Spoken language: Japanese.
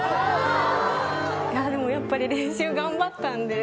でもやっぱり練習頑張ったんで。